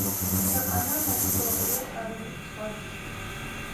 ქვეყანა მოქცეულია კარიბის ზღვაში.